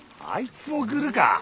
あいつもグルか。